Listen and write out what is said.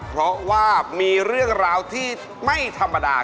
เพราะว่ามีเรื่องราวที่ไม่ธรรมดา